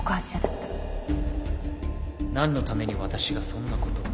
なんのために私がそんな事を？